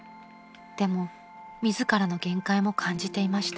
［でも自らの限界も感じていました］